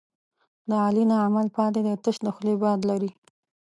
د علي نه عمل پاتې دی، تش د خولې باد لري.